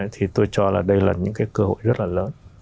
thì tôi cho là đây là những cái cơ hội rất là lớn